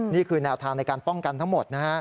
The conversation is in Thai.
นี่คือแนวทางในการป้องกันทั้งหมดนะฮะ